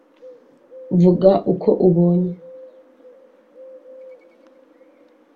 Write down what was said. vuga uko ubonye